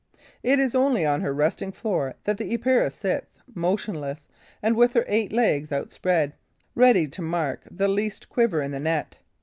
It is only on her resting floor that the Epeira sits, motionless and with her eight legs outspread, ready to mark the least quiver in the net.